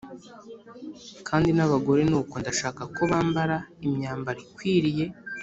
Kandi n’abagore ni uko ndashaka ko bambara imyambaro ikwiriye